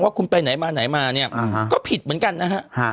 คุณไปไหนมาไหนมาเนี่ยก็ผิดเหมือนกันนะฮะ